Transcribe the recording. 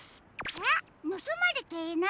えっぬすまれていない？